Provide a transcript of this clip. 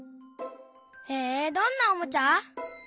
へえどんなおもちゃ？